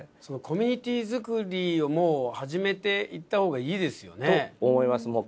そのコミュニティ作りをもう始めていったほうがいいですよね。と思います。